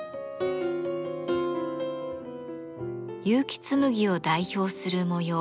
結城紬を代表する模様